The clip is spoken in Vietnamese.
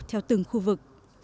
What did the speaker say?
theo từng khu vực